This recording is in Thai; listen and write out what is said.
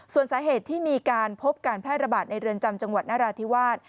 ส่วนสาเหตุที่มีการพบการแพร่ระบาดในเรือนจำจังหวัดนราธิวาส